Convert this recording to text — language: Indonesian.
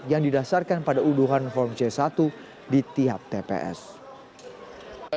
yang didasarkan pada uduhan form c satu di tiap tps